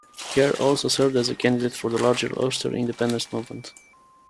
Kerr also served as a candidate for the larger Ulster Independence Movement.